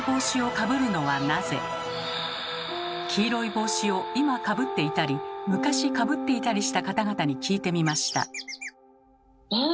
黄色い帽子を今かぶっていたり昔かぶっていたりした方々に聞いてみました。